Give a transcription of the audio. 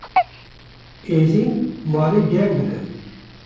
Êzing malê germ dikin.